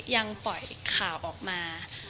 ยังปล่อยข่าวออกมา